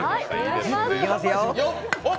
いきますよ。